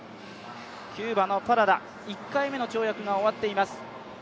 キューバのパラダ、１回目の跳躍が終わっています。